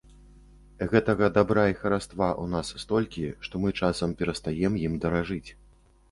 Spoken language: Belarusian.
Гэтага дабра і хараства ў нас столькі, што мы часам перастаем ім даражыць.